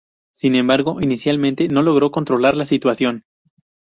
Sin embargo, inicialmente no logró controlar la situación.